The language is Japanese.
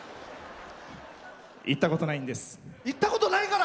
行ったことないんです。